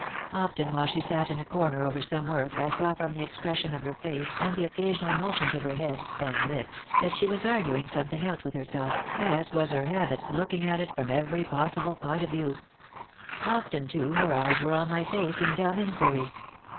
Often while she sat in a corner over some work I saw from the expression of her face and the occasional motions of her head and lips that she was arguing something out with herself, as was her habit, looking at it from every possible point of view. Often too her eyes were on my face in dumb inquiry.